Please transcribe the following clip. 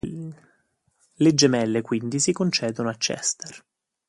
Le gemelle quindi si concedono a Chester.